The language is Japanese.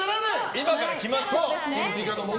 今から来ますから。